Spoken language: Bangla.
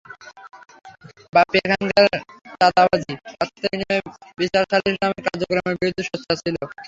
বাপ্পী এলাকার চাঁদাবাজি, অর্থের বিনিময়ে বিচার-সালিস নামের কার্যক্রমের বিরুদ্ধে সোচ্চার ছিল।